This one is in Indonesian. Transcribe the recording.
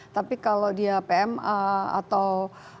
tapi kalau dia pma atau